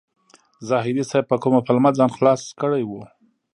زاهدي صیب په کومه پلمه ځان خلاص کړی و.